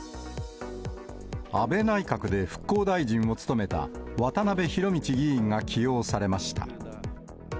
安倍内閣で復興大臣を務めた渡辺博道議員が起用されました。